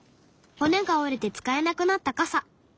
骨が折れて使えなくなった傘。